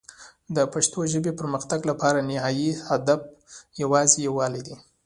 د پښتو ژبې د پرمختګ لپاره نهایي هدف یوازې یووالی دی.